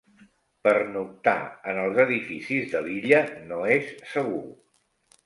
Pernoctar en els edificis de l'illa no és segur.